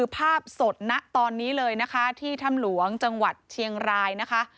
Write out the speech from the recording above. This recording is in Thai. ภาพสดนะตอนนี้เลยนะคะที่ถ้ำหลวงจังหวัดเชียงรายนะคะ